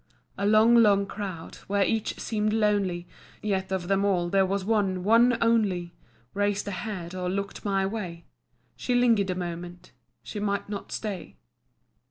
A long, long crowd where each seem'd lonely, Yet of them all there was one, one only, Raised a head or look'd my way. She linger'd a moment, she might not stay.